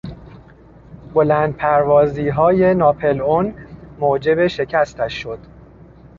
بلند پروازیهای ناپلئون موجب شکستش شد.